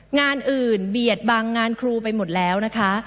งานอื่นเบียดบังงานครูไปหมดแล้วนะคะ